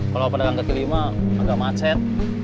kalau pada angkot kelima agak macet